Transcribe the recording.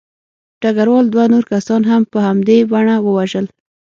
ډګروال دوه نور کسان هم په همدې بڼه ووژل